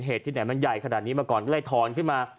ที่ไหนมันใหญ่ขนาดนี้มาก่อนก็เลยถอนขึ้นมา